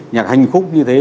nhạc hành khúc như thế